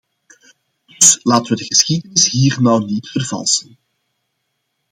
Dus, laten we de geschiedenis hier nou niet vervalsen.